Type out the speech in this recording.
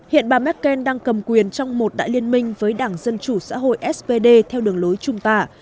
hiện bà merkel đang cầm quyền trong một đại liên minh với đảng dân chủ xã hội spd theo đường lối trung tả